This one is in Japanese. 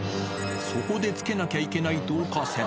そこでつけなきゃいけない導火線。